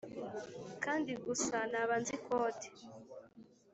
kandi gusa naba nzi code.